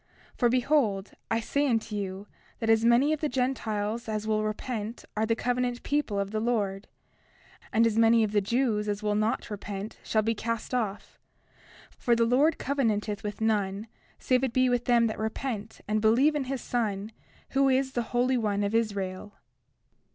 30:2 For behold, I say unto you that as many of the Gentiles as will repent are the covenant people of the Lord; and as many of the Jews as will not repent shall be cast off; for the Lord covenanteth with none save it be with them that repent and believe in his Son, who is the Holy One of Israel.